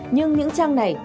nhưng những trang này